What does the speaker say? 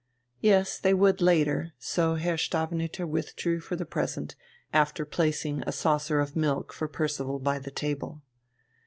Yes, they would, later; so Herr Stavenüter withdrew for the present, after placing a saucer of milk for Percival by the table.